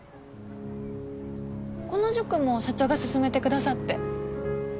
この塾も社長が勧めてくださって。